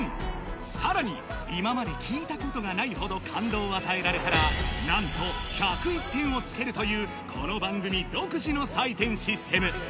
さらに、今まで聞いたことがないほど感動を与えられたら、なんと１０１点をつけるという、この番組独自の採点システム。